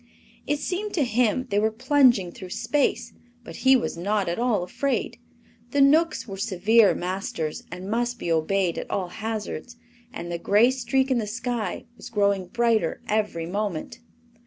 It seemed to him they were plunging through space, but he was not at all afraid. The Knooks were severe masters, and must be obeyed at all hazards, and the gray streak in the sky was growing brighter every moment.